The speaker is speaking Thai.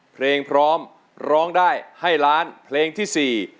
เพลงพร้อมร้องได้ให้ล้านเพลงที่๔